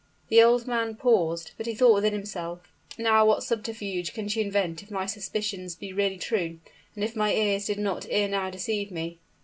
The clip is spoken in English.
The old man paused; but he thought within himself, "Now what subterfuge can she invent if my suspicions be really true, and if my ears did not ere now deceive me?"